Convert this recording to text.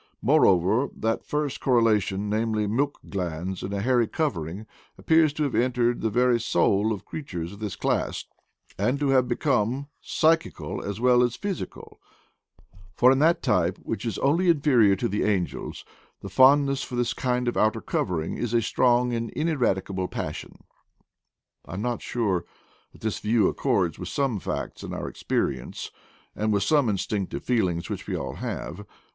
Moreover, that first correlation, namely, milk glands and a hairy cov ering, appears to have entered the very soul of creatures of this class, and to have become psychi cal as well as physical, for in that type, which is only inferior to the angels, the fondness for this kind of outer covering is a strong and ineradicable passion. " I am not sure that this view accords with some facts in our experience, and with some instinctive feelings which we all have.